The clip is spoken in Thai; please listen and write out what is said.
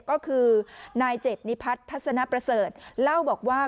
ก็คือนายเจ็ดนิพัฒน์ทัศนประเสริฐเล่าบอกว่า